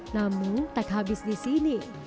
namun tak habis di sini